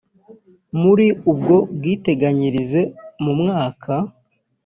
muri ubwo bwiteganyirize mu mwaka